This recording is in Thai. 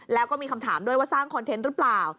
แล้วก็มีคำถามด้วยว่าสร้างคอนเทนต์หรือเปล่า